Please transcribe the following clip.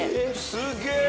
すげえ！